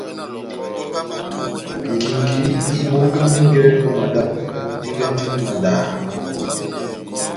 Ngingi ibongamingɛ ó madá, ivɛ́nɛndini madaha.